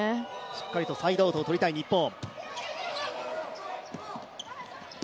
しっかりとサイドアウトを取りたい日本。